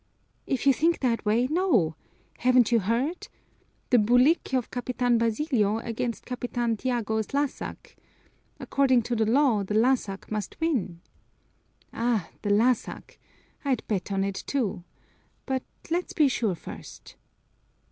"If you think that way, no! Haven't you heard? The bulik of Capitan Basilio's against Capitan Tiago's lásak. According to the law the lásak must win." "Ah, the lásak! I'd bet on it, too. But let's be sure first."